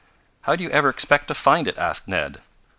"How do you ever expect to find it?" asked Ned.